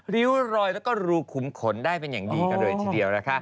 ริ้วรอยแล้วก็รูขุมขนได้เป็นอย่างดีกันเลยทีเดียวนะคะ